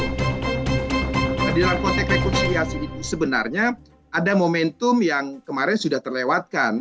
ketidakhadiran konteks rekonsiliasi itu sebenarnya ada momentum yang kemarin sudah terlewatkan